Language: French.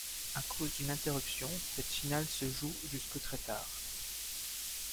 À cause d'une interruption, cette finale se joue jusque très tard.